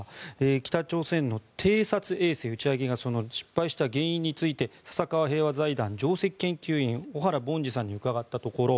北朝鮮の偵察衛星打ち上げが失敗した原因について笹川平和財団上席研究員小原凡司さんに伺ったところ